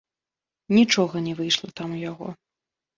Нічога не выйшла там у яго.